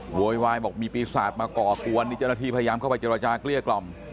โวยวายบอกมีปีศาจมาก่อกวนนี่เจ้าหน้าที่พยายามเข้าไปเจรจาเกลี้ยกล่อม